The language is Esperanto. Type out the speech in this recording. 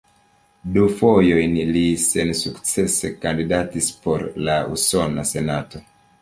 Du fojojn li sensukcese kandidatis por la Usona Senato.